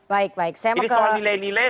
baik baik ini soal nilai nilai